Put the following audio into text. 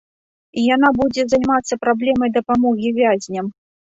Яна будзе займацца праблемай дапамогі вязням.